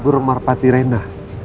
bur marpati rena